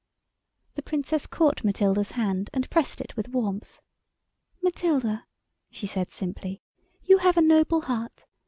The Princess caught Matilda's hand and pressed it with warmth. "Matilda," she said simply, "you have a noble heart.